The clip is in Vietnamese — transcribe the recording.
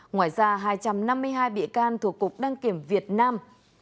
ngoài ra hai trăm năm mươi hai bị can thuộc cục đăng kiểm việt nam